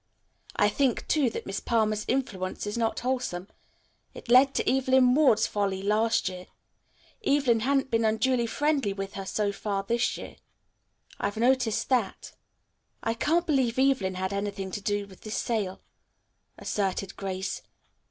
I think, too, that Miss Palmer's influence is not wholesome. It led to Evelyn Ward's folly last year. Evelyn hasn't been unduly friendly with her so far this year. I've noticed that." "I can't believe Evelyn had anything to do with this sale," asserted Grace.